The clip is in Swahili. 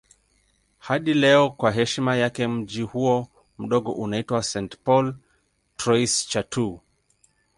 Hadi leo kwa heshima yake mji huo mdogo unaitwa St. Paul Trois-Chateaux.